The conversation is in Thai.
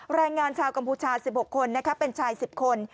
แรงงานชาวกัมพูชา๑๖คนเป็นชาย๑๐คน